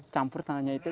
campur tanahnya itu